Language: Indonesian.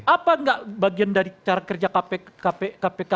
apa enggak bagian dari cara kerja kpk